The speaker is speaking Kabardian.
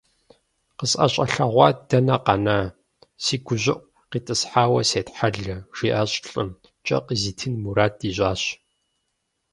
КъысӀэщӀэлъэгъуа дэнэ къэна, си гущӀыӀу къитӀысхьауэ сетхьэлэ! - жиӀащ лӀым, кӀэ къызитын мурад ищӀащ.